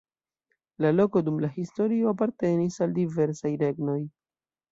La loko dum la historio apartenis al diversaj regnoj.